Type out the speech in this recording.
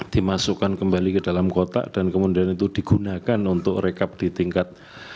dimasukkan kembali ke dalam kotak dan kemudian itu digunakan untuk rekap di tingkat